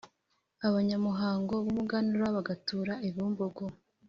abanyamuhango b’umuganura, bagatura i Bumbogo;